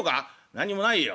「何にもないよ。